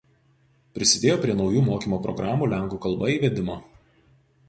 Prisidėjo prie naujų mokymo programų Lenkų kalba įvedimo.